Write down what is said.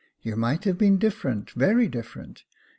You might have been different — very different.